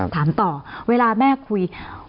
ถามต่อเวลาแม่คุย